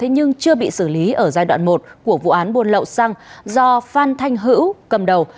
nhưng chưa bị xử lý ở giai đoạn một của vụ án buôn lậu xăng do phan thanh hữu cầm đầu